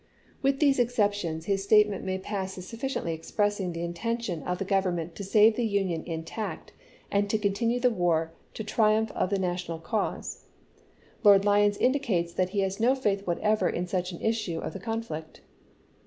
With these exceptions his statement may pass as sufficiently expressing the intention of the Government to save the Union in tact and to continue the war to the triumph of the national cause. Lord Lyons indicates that he has no faith whatever in such an issue of the conflict.